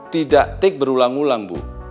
tidak take berulang ulang bu